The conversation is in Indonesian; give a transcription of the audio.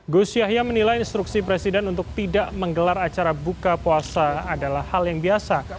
gus yahya menilai instruksi presiden untuk tidak menggelar acara buka puasa adalah hal yang biasa